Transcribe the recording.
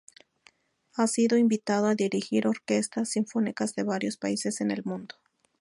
Ha sido invitado a dirigir orquestas sinfónicas de varios países en el mundo.